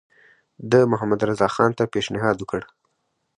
ده محمدرضاخان ته پېشنهاد وکړ.